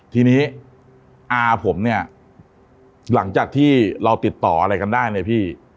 ทีนี้อาผมเนี่ยหลังจากที่เราติดต่ออะไรกันได้เนี่ยพี่